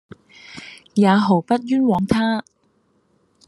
也毫不寃枉他。